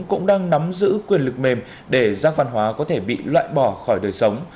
cũng đang nắm giữ quyền lực mềm để rác văn hóa có thể bị loại bỏ khỏi đời sống